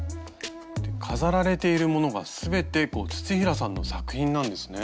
飾られているものが全て土平さんの作品なんですね。